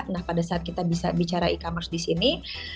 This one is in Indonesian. nah pada saat kita bisa bicara e commerce di sini